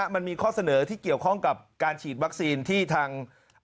มันมีข้อเสนอที่เกี่ยวข้องกับการฉีดวัคซีนที่ทาง